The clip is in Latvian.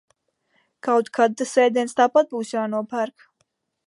Kaut kad tas ēdiens tāpat būs jānopērk.